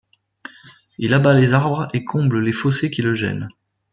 Il abat les arbres et comble les fossés qui le gênent.